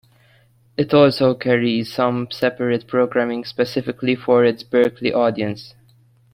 It also carries some separate programming specifically for its Berkeley audience.